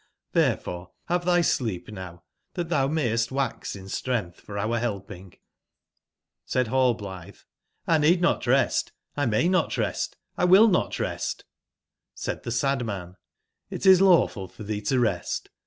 Tlberef ore have thy sleep now, that tbou i2 n5 inaystvvaxin strength forourbclping*'j!^Said Hall/ blithe: '*! need not rest; X may not rest; X will not rest "j^ Said the sad man : '*Xt is lawful for thee to rest.